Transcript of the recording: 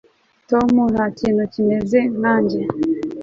tom ntakintu kimeze nkanjye